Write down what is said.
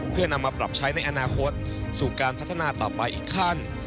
เพื่อนำมาปรับใช้ในอนาคตสู่การพัฒนาต่อไปอีกขั้น